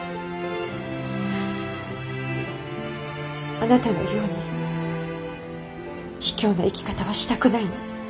あなたのようにひきょうな生き方はしたくないの。